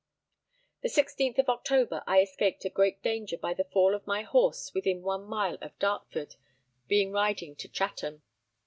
The 16th of October, I escaped a great danger by the fall of my horse within one mile of Dartford, being riding to Chatham.